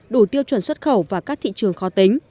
đủ tiêu chuẩn xuất khẩu và các thị trường khó tính